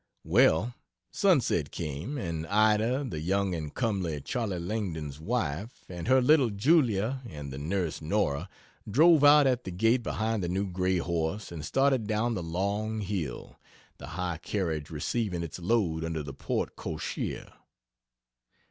Well, sunset came, and Ida the young and comely (Charley Langdon's wife) and her little Julia and the nurse Nora, drove out at the gate behind the new gray horse and started down the long hill the high carriage receiving its load under the porte cochere.